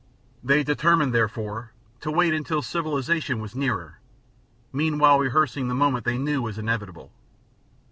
They determined, therefore, to wait until civilization was nearer, meanwhile rehearsing the moment they knew was inevitable.